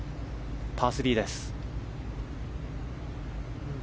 パー３です。